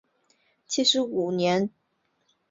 七十五年台大聘为荣誉教授。